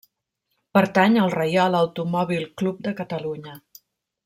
Pertany al Reial Automòbil Club de Catalunya.